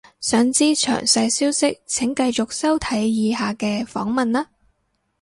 想知詳細消息請繼續收睇以下嘅訪問喇